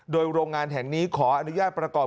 โดยโรงงานแห่งนี้ขออนุญาตประกอบ